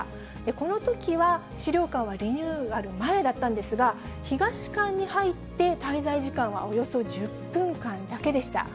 このときは資料館はリニューアル前だったんですが、東館に入って滞在時間はおよそ１０分間だけでした。